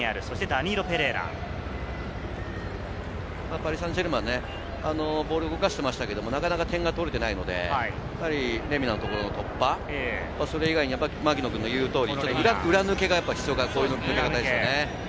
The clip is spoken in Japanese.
パリ・サンジェルマンね、ボールを動かしてましたけれど、なかなか点が取れていないので、レミナのところの突破、それ以外にちょっと裏抜けが必要かな。